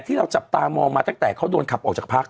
ที่เราจับตามองมาตั้งแต่เขาโดนขับออกจากพัก